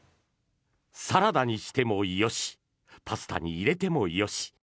サラダにしてもよしパスタに入れてもよし。